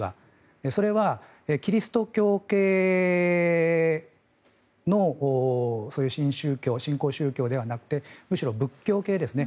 それは、キリスト教系のそういう新興宗教ではなくてむしろ仏教系ですね